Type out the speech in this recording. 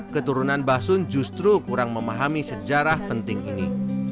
keturunan basun justru kurang memahami sejarah penting ini